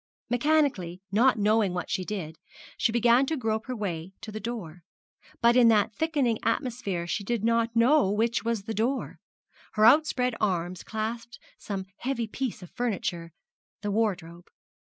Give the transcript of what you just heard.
Mechanically, not knowing what she did, she began to grope her way to the door. But in that thickening atmosphere she did not know which was the door her outspread arms clasped some heavy piece of furniture the wardrobe.